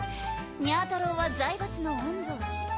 にゃ太郎は財閥の御曹司。